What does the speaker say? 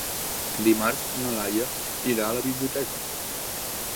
Dimarts na Laia irà a la biblioteca.